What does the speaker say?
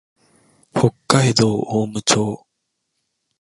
北海道雄武町